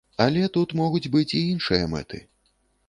Але тут могуць быць і іншыя мэты.